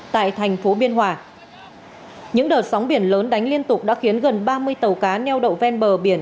tại thành phố biên hòa những đợt sóng biển lớn đánh liên tục đã khiến gần ba mươi tàu cá neo đậu ven bờ biển